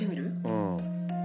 うん。